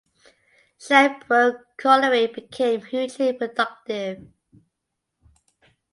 Shirebrook Colliery became hugely productive.